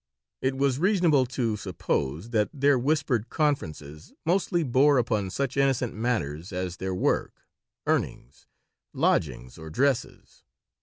It was reasonable to suppose that their whispered conferences mostly bore upon such innocent matters as their work, earnings, lodgings, or dresses.